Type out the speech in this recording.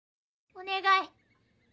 お願い。